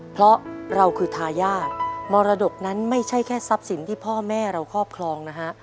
เพราะเราคือทายาทมรดกนั้นไม่ใช่แค่ทรัพย์สินที่พ่อแม่เราครอบครองนะฮะ